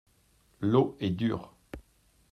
L’eau est dure.